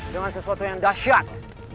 dengan sesuatu yang dasyat